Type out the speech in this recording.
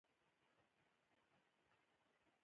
پسه د افغان ماشومانو د لوبو یوه موضوع ده.